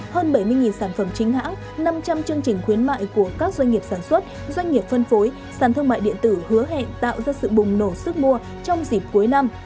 hơn bảy mươi sản phẩm chính hãng năm trăm linh chương trình khuyến mại của các doanh nghiệp sản xuất doanh nghiệp phân phối sản thương mại điện tử hứa hẹn tạo ra sự bùng nổ sức mua trong dịp cuối năm